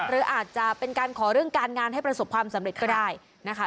หรืออาจจะเป็นการขอเรื่องการงานให้ประสบความสำเร็จก็ได้นะคะ